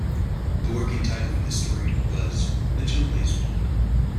The working title for this story was "The Chumblies".